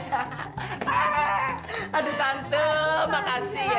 hahaha aduh tante makasih ya